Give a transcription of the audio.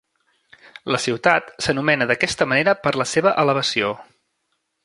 La ciutat s'anomena d'aquesta manera per la seva elevació.